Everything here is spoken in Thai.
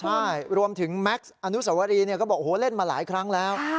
ใช่รวมถึงแม็กซ์อนุสวรีก็บอกโอ้โหเล่นมาหลายครั้งแล้ว